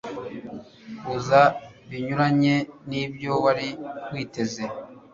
kuza binyuranye nibyo wari witeze